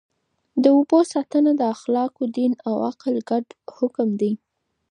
د اوبو ساتنه د اخلاقو، دین او عقل ګډ حکم دی.